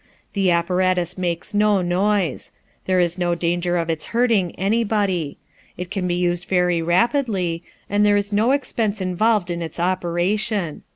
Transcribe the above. The apparatus makes no noise. There is no danger of its hurting anybody. It can be used very rapidly, and there is no expense involved in its operation.